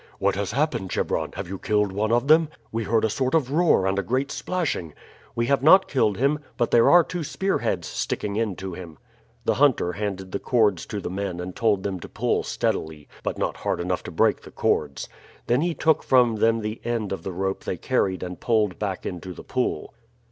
"What has happened, Chebron have you killed one of them? We heard a sort of roar and a great splashing." "We have not killed him, but there are two spear heads sticking into him." The hunter handed the cords to the men and told them to pull steadily, but not hard enough to break the cords. Then he took from them the end of the rope they carried and poled back into the pool.